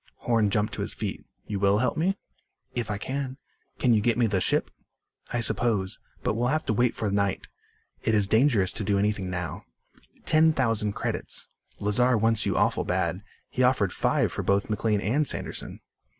Horn jumped to his feet. "You will help me?" "If I can." "Can you get me the ship?" "I suppose. But we'll have to wait for night. It is dangerous to do anything now. Ten thousand credits. Lazar wants you awful bad. He offered five for both McLean and Sanderson."